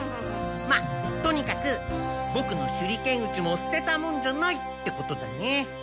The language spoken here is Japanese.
まあとにかくボクの手裏剣打ちもすてたもんじゃないってことだね。